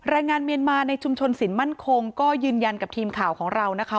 แรงงานเมียนมาในชุมชนสินมั่นคงก็ยืนยันกับทีมข่าวของเรานะคะ